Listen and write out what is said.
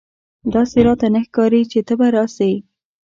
داسي راته نه ښکاري چې ته به راسې !